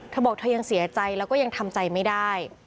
เธอบอกเธอยังเสียใจแล้วก็ยังทำใจไม่ได้